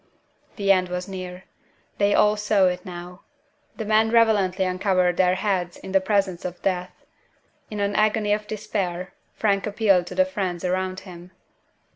The end was near. They all saw it now. The men reverently uncovered their heads in the presence of Death. In an agony of despair, Frank appealed to the friends round him.